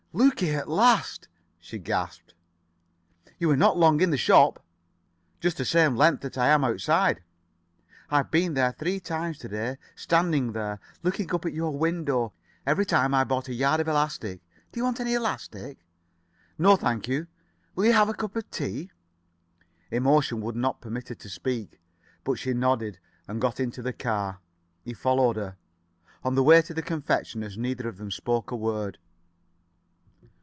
"Lukie, at last," she gasped. "You were not long in the shop!" "Just the same length that I am outside. I have been there three times to day. Standing there, looking up at your window. Every time I bought a yard of elastic. Do you want any elastic?" "No, thank you. Will you have a cup of tea?" Emotion would not permit her to speak. But she nodded and got into the car. He followed her. On the way to the confectioner's neither of them spoke a word.